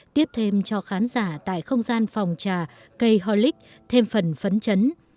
tiếp thêm cho khán giả tại không gian phòng trà keholic thêm phần phấn chấn